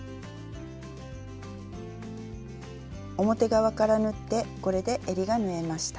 表側から縫ってこれでえりが縫えました。